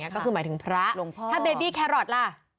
ก็คือหมายถึงพระหลวงพ่อถ้าเบบี้แครอทล่ะ